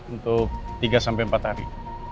untuk tiga sampai empat hari